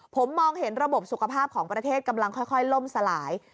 ผมมองเห็นระบบสุขภาพของประเทศกำลังค่อยล่มสลาย